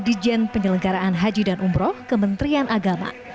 dengan oleh dijen penyelenggaraan haji dan umroh kementerian agama